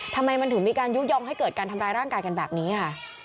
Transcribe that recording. ทำไมมันถึงมีการยุโยงให้เกิดการทำร้ายร่างกายกันแบบนี้ค่ะ